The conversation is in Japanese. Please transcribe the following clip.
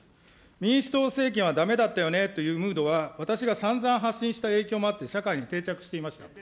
民主党政権はだめだったよねというムードは私がさんざん発信した影響もあって、社会に定着していました。